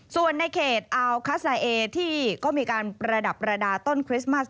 ส่วนในเขตอัลคาซาเอที่ก็มีการประดับประดาษต้นคริสต์มัส